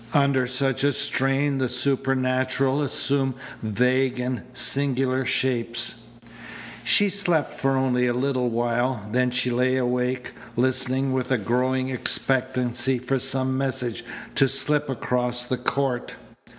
Under such a strain the supernatural assumed vague and singular shapes. She slept for only a little while. Then she lay awake, listening with a growing expectancy for some message to slip across the court.